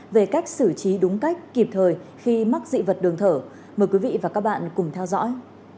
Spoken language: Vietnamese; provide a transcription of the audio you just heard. về cách xử trí đúng cách kịp thời khi mắc dị vật đường thở mời quý vị và các bạn cùng theo dõi